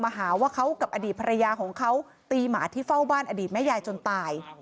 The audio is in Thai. หาว่าเขากับอดีตภรรยาของเขาตีหมาที่เฝ้าบ้านอดีตแม่ยายจนตาย